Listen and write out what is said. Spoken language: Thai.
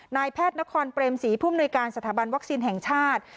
นายแพทย์นครเปรมศรีผู้มนุยการสถาบันวัคซีนแห่งชาติ